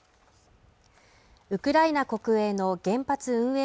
ウクライナ国営の原発運営